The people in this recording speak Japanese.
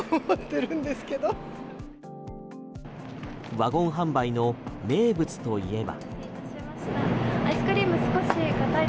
ワゴン販売の名物といえば。